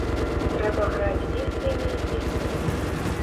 Трэба граць і з тымі, і з тымі.